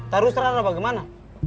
taruh serana bagaimana